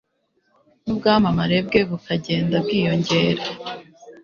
n'ubwamamare bwe bukagenda bwiyongera